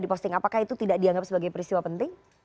diposting apakah itu tidak dianggap sebagai peristiwa penting